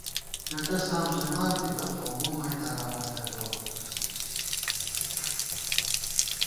چٹہ ساف ژمان تِتہ خو مو میداناں مہ ننگَؤ